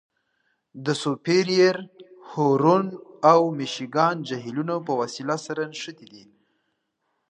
د سوپریر، هورن او میشګان جهیلونه په وسیله نښتي دي.